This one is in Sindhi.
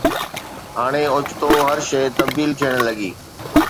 هاڻي اوچتو هر شيء تبديل ٿيڻ لڳي.